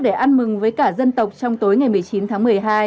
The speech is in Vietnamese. để ăn mừng với cả dân tộc trong tối ngày một mươi chín tháng một mươi hai